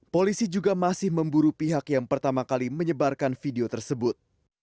polisi juga masih memburu pihak yang pertama kali menyebarkan video tersebut